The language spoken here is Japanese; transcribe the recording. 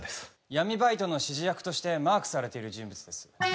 闇バイトの指示役としてマークされている人物です。